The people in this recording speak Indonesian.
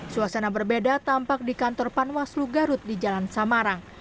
suasana berbeda tampak di kantor panwaslu garut di jalan samarang